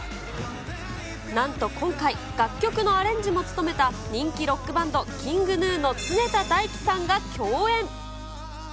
なんと今回、楽曲のアレンジも務めた人気ロックバンド、ＫｉｎｇＧｎｕの常田大希さんが競演。